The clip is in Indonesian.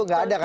tidak ada kan